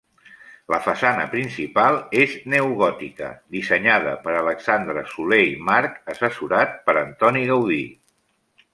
La façana principal és neogòtica, dissenyada per Alexandre Soler i March assessorat per Antoni Gaudí.